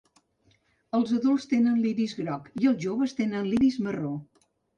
Els adults tenen l'iris groc i els joves tenen l'iris marró.